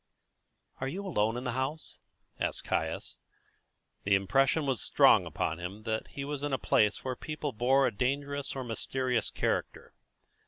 "Are you alone in the house?" asked Caius. The impression was strong upon him that he was in a place where the people bore a dangerous or mysterious character.